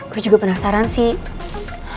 gue juga penasaran sih